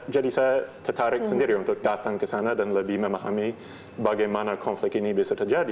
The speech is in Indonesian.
jadi saya tertarik sendiri untuk datang ke sana dan lebih memahami bagaimana konfliknya berlangsung